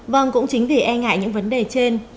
vâng cũng chính vì e ngại những vấn đề trên